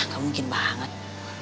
gak mungkin banget